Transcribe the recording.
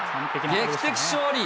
劇的勝利。